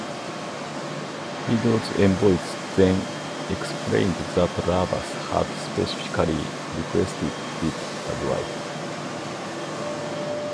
Dido's envoys then explained that Iarbas had specifically requested Dido as wife.